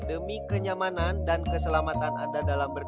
demi kenyamanan dan keselamatan anda dalam bermain